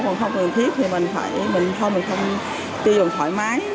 còn không cần thiết thì mình phải mình không mình không tiêu dùng thoải mái